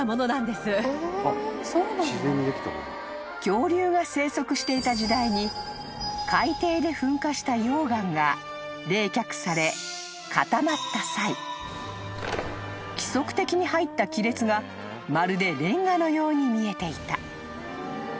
［恐竜が生息していた時代に海底で噴火した溶岩が冷却され固まった際規則的に入った亀裂がまるでレンガのように見えていた］